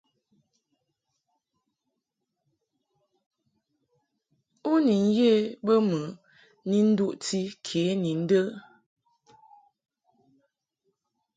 U ni ye bə mɨ ni nduʼti ke ni ndə ?